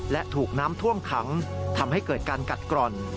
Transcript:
และถูกน้ำท่วมขังทำให้เกิดการกัดกร่อน